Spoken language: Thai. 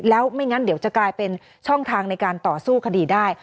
แล้วไม่งั้นเดี๋ยวจะกลายเป็นช่องทางในการต่อสู้คดีได้